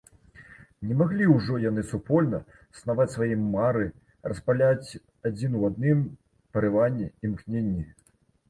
Не маглі ўжо яны супольна снаваць свае мары, распаляць адзін у адным парыванні, імкненні.